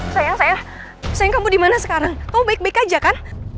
sayang saya sayang kamu dimana sekarang kok baik baik aja kan